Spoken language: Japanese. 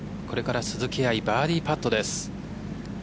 これから鈴木愛バーディーパットです。